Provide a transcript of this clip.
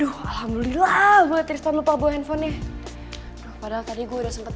duh alhamdulillah mulai terselalu pabung handphonenya padahal tadi gue udah sempet